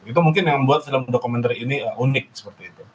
itu mungkin yang membuat film dokumenter ini unik seperti itu